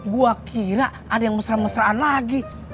gue kira ada yang mesra mesraan lagi